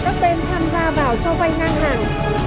các bên tham gia vào cho vay ngang hàng